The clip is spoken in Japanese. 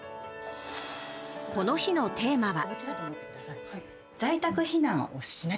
この日のテーマは。